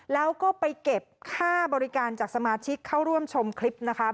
แล้วก็ไปเก็บค่าบริการจากสมาชิกเข้าร่วมชมคลิปนะคะ